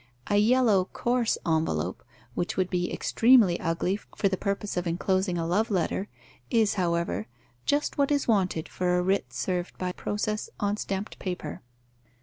A yellow, coarse envelope, which would be extremely ugly for the purpose of enclosing a love letter, is, however, just what is wanted for a writ served by process on stamped paper.